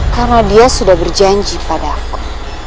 karena dia sudah berjanji pada aku